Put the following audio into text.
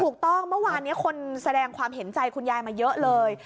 เมื่อวานนี้คนแสดงความเห็นใจคุณยายมาเยอะเลย